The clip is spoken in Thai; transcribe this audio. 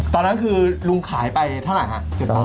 ตอนนั้นคือลุงขายไปเท่าไหร่ฮะ